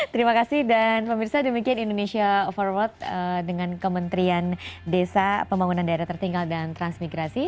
terima kasih dan pemirsa demikian indonesia overword dengan kementerian desa pembangunan daerah tertinggal dan transmigrasi